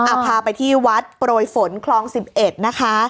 อ่าพาไปที่วัดโปรโยฟนคล๑๑นะคะ